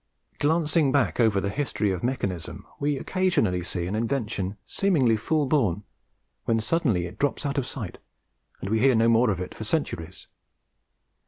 Glancing back over the history of mechanism, we occasionally see an invention seemingly full born, when suddenly it drops out of sight, and we hear no more of it for centuries.